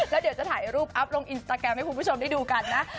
แล้วเดี๋ยวจะถ่ายรูปอัพลงอินสตาแกรมให้คุณผู้ชมได้ดูกันนะ